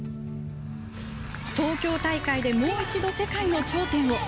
東京大会でもう１度世界の頂点を。